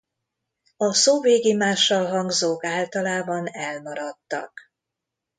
A szóvégi mássalhangzók általában elmaradtak.